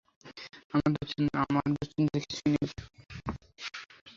আমার দুশ্চিন্তার কিছু নেই।